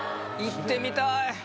行ってみたい！